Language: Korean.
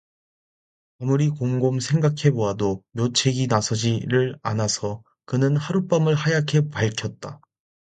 아무리 곰곰 생각해 보아도 묘책이 나서지를 않아서 그는 하룻밤을 하얗게 밝혔다.